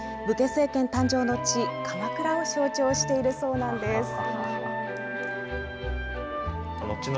武家政権誕生の地、鎌倉を象徴しているそうなんです。